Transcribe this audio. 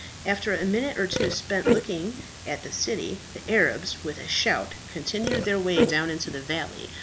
After a minute or two spent in looking at the city, the Arabs with a shout continued their way down into the valley.